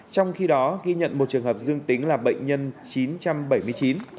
trong khi đó ghi nhận một trường hợp dương tính là bệnh nhân chín trăm bảy mươi chín